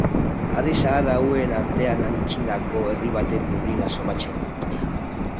Harri zahar hauen artean aintzinako herri baten lurrina somatzen dut.